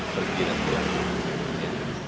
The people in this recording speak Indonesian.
pergi dan berjalan